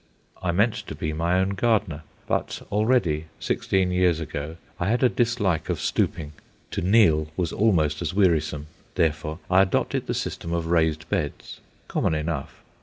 I meant to be my own gardener. But already, sixteen years ago, I had a dislike of stooping. To kneel was almost as wearisome. Therefore I adopted the system of raised beds common enough.